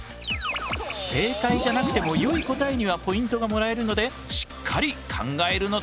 正解じゃなくてもよい答えにはポイントがもらえるのでしっかり考えるのだ。